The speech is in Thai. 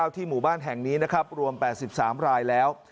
ที่หมู่บ้านแห่งนี้นะครับรวม๘๓รายแล้ว